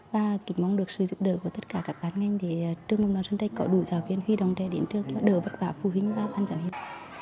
và kính mong được sử dụng đời của tất cả các ban ngành để trường mầm non sơn trạch có đủ giáo viên huy đồng trẻ đến trước đỡ vất vả phụ huynh và ban giáo viên